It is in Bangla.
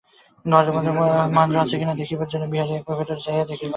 ঘরের মধ্যে মহেন্দ্র আছে কি না, দেখিবার জন্য বিহারী একবার ভিতরে চাহিয়া দেখিল।